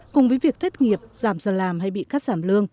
cùng với việc thất nghiệp giảm giờ làm hay bị cắt giảm lương